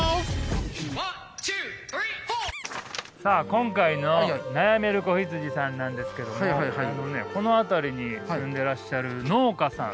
今回の悩める子羊さんなんですけどもあのねこの辺りに住んでらっしゃる農家さん。